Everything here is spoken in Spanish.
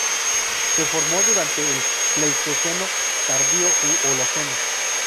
Se formó durante el Pleistoceno tardío u Holoceno.